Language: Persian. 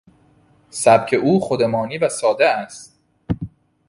سبک او خودمانی و ساده است.